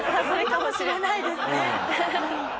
それかもしれないですね。